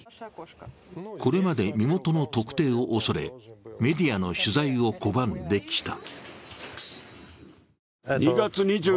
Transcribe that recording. これまで身元の特定を恐れメディアの取材を拒んできた。